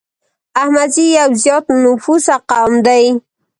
احمدزي يو زيات نفوسه قوم دی